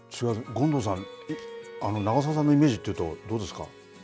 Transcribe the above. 権藤さん、長澤さんのイメージというとどうですか。